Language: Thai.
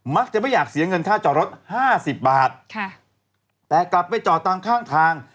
มักจะไม่อยากเสียเงินค่าจอดรถ๕๐บาทแต่กลับไปจอดตามข้างทาง